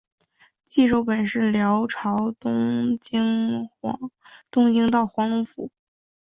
济州本是辽朝东京道黄龙府。